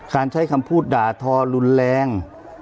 ใช้คำพูดด่าทอรุนแรง